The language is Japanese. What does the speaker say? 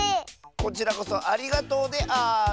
こちらこそありがとうである！